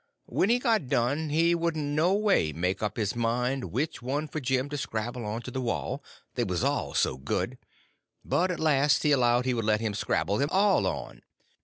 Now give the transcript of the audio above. When he got done he couldn't no way make up his mind which one for Jim to scrabble on to the wall, they was all so good; but at last he allowed he would let him scrabble them all on.